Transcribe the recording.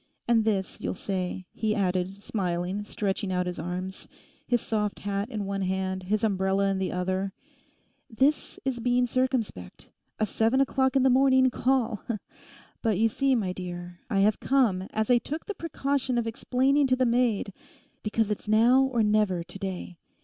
And this, you'll say,' he added, smiling, stretching out his arms, his soft hat in one hand, his umbrella in the other—'this is being circumspect—a seven o'clock in the morning call! But you see, my dear, I have come, as I took the precaution of explaining to the maid, because it's now or never to day.